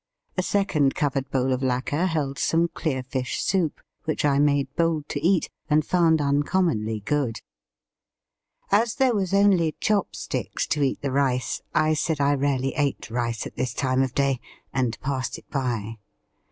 A second covered bowl of lacquer held some clear fish soup, which I made bold to eat, and found uncommonly good. x\s there was only chop sticks to eat the rice, I said I rarely ate rice at this time of day, and passed it by.